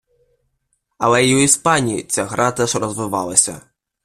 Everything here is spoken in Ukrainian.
Але й у Іспанії ця гра теж розвивалася.